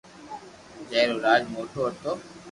جي رو راج موٽو ھتو